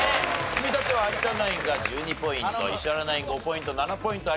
積み立ては有田ナインが１２ポイント石原ナイン５ポイント。